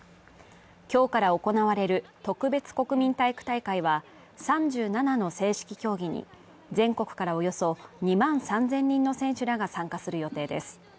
今日から行われる特別国民体育大会は３７の正式競技に全国からおよそ２万３０００人の選手らが参加する予定です。